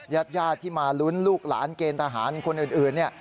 ญาติญาติที่มาลุ้นลูกหลานเกณฑ์ทหารคนอื่นเนี่ย